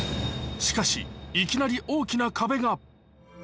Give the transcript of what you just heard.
しかし、いきなり大きな壁が。